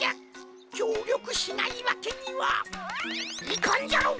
きょうりょくしないわけにはいかんじゃろ！